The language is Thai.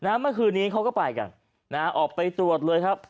เมื่อคืนนี้เขาก็ไปกันนะฮะออกไปตรวจเลยครับ